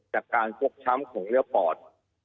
จากการฟกช้ำของเนื้อปอด